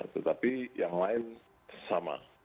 tetapi yang lain sama